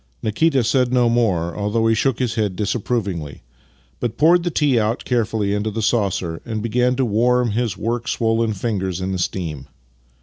Nikita said no more (although he shook his head disapprovingly), but poured the tea out carefully into the saucer and began to warm his work swollen fingers in the steam.